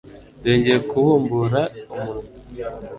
dore ngiye kubumbura umunwa